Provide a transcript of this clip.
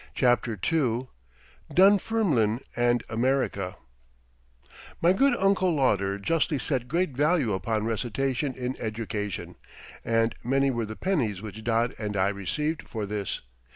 CHAPTER II DUNFERMLINE AND AMERICA My good Uncle Lauder justly set great value upon recitation in education, and many were the pennies which Dod and I received for this.